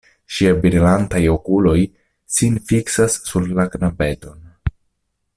Ŝiaj brilantaj okuloj sin fiksas sur la knabeton.